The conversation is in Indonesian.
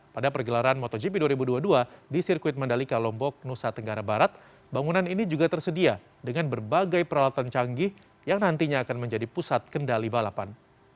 pada pergelaran motogp dua ribu dua puluh dua di sirkuit mandalika lombok nusa tenggara barat bangunan ini juga tersedia dengan berbagai peralatan canggih yang nantinya akan menjadi pusat kendali balapan